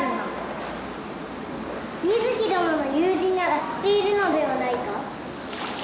美月どのの友人なら知っているのではないか？